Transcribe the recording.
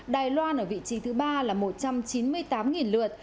đài loan ở vị trí thứ ba là một trăm chín mươi tám lượt